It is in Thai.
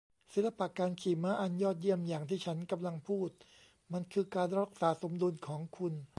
ศิลปะการขี่ม้าอันยอดเยี่ยมอย่างที่ฉันกำลังพูด มันคือการรักษาสมดุลของคุณ